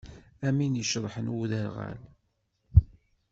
Am win iceṭḥen i uderɣal.